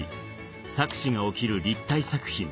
錯視が起きる立体作品